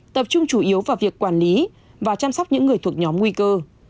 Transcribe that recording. tập trung chủ yếu vào việc quản lý và chăm sóc những người thuộc nhóm nguy cơ